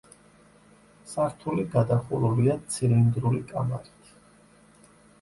სართული გადახურულია ცილინდრული კამარით.